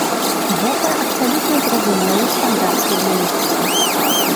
Гэта абсалютна зразумелы стандарт журналістыкі.